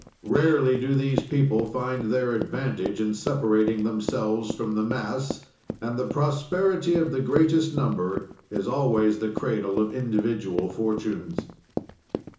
"Rarely do these people find their advantage in separating themselves from the mass, and the prosperity of the greatest number is always the cradle of individual fortunes."